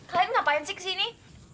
kalian ngapain sih kesini